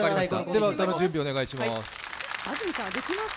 では歌の準備、お願いします。